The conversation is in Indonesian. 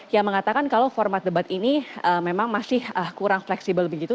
yang mengatakan kalau format debat ini memang masih kurang fleksibel begitu